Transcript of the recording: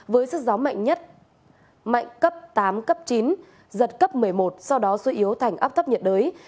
với sức gió mạnh nhất mạnh cấp tám cấp chín giật cấp một mươi một sau đó suy yếu thành áp thấp nhiệt đới